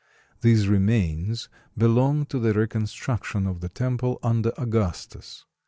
These remains belong to the reconstruction of the temple under Augustus.